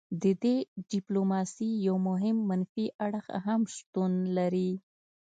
د دې ډیپلوماسي یو مهم منفي اړخ هم شتون لري